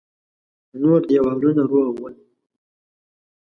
نور دېوالونه روغ ول.